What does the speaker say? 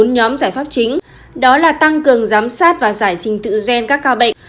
bốn nhóm giải pháp chính đó là tăng cường giám sát và giải trình tự gen các ca bệnh